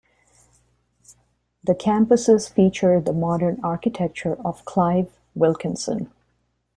The campuses feature the modern architecture of Clive Wilkinson.